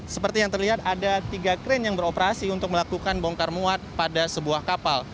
seperti yang terlihat ada tiga krain yang beroperasi untuk melakukan bongkar muat pada sebuah kapal